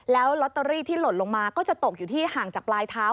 แล้วลอตเตอรี่ที่หล่นลงมาก็จะตกอยู่ที่ห่างจากปลายเท้า